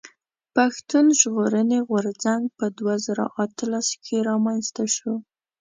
پښتون ژغورني غورځنګ په دوه زره اتلس کښي رامنځته شو.